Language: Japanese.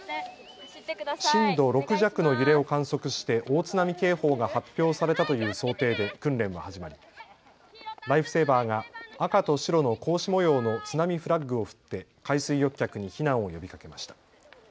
震度６弱の揺れを観測して大津波警報が発表されたという想定で訓練は始まりライフセーバーが赤と白の格子模様の津波フラッグを振って海水浴客に避難を呼びかけました。